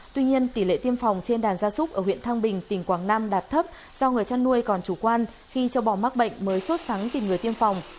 tuy nhiên tỷ lệ tiêm phòng trên đàn gia súc ở huyện thang bình tỉnh quảng nam đạt thấp do người chăn nuôi còn chủ quan khi châu bò mắc bệnh mới sốt sáng tìm người tiêm phòng